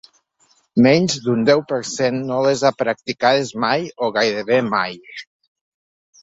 Menys d’un deu per cent no les ha practicades mai o gairebé mai.